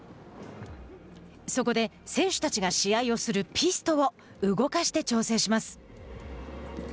そこで選手たちが試合をする「ピスト」を動かして調整します。